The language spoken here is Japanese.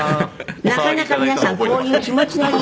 「なかなか皆さんこういう気持ちのいい筋肉」